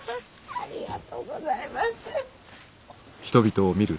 ありがとうございます。